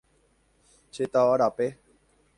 Che táva rape.